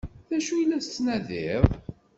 D acu i la tettnadiḍ?